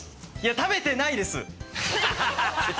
食べてないです！